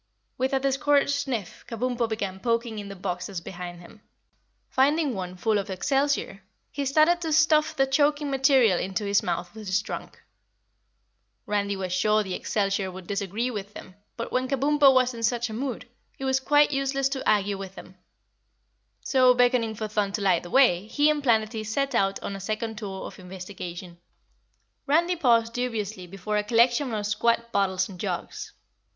With a discouraged sniff Kabumpo began poking in the boxes behind him. Finding one full of excelsior, he started to stuff the choking material into his mouth with his trunk. Randy was sure the excelsior would disagree with him, but when Kabumpo was in such a mood, it was quite useless to argue with him; so, beckoning for Thun to light the way, he and Planetty set out on a second tour of investigation. Randy paused dubiously before a collection of squat bottles and jugs.